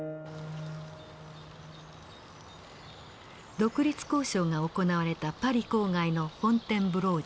独立交渉が行われたパリ郊外のフォンテンブロー城。